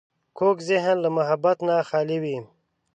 کوږ ذهن له محبت نه خالي وي